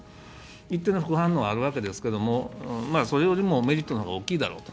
一定の副反応はあるわけですけれども、それよりもメリットのほうが大きいだろうと。